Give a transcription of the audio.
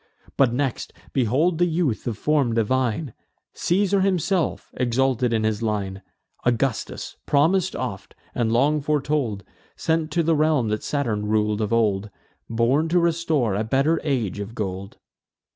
But next behold the youth of form divine, Caesar himself, exalted in his line; Augustus, promis'd oft, and long foretold, Sent to the realm that Saturn rul'd of old; Born to restore a better age of gold.